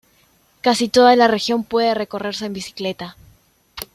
Casi toda la región puede recorrerse en bicicleta.